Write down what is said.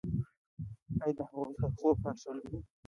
ایا د هغوی خوب کنټرولوئ؟